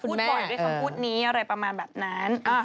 คุณแม่อาจจะพูดบ่อยด้วยคำพูดนี้อะไรประมาณแบบนั้น